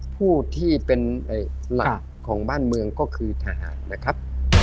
ผู้ที่เป็นหลักของบ้านเมืองก็คือทหารนะครับ